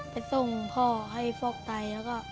ไปส่งพ่อให้ฟอกไต